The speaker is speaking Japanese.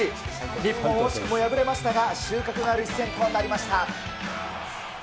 日本、惜しくも敗れましたが、収穫のある一戦とはなりました。